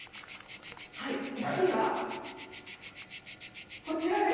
はい１位はこちらです。